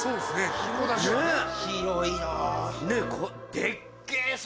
広いな。